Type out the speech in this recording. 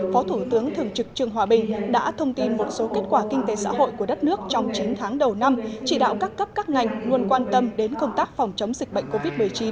phó thủ tướng thường trực trường hòa bình đã thông tin một số kết quả kinh tế xã hội của đất nước trong chín tháng đầu năm chỉ đạo các cấp các ngành luôn quan tâm đến công tác phòng chống dịch bệnh covid một mươi chín